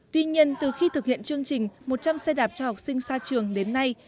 tuy nhiên từ khi thực hiện chương trình một trăm linh xe đạp cho học sinh xa trường đến nay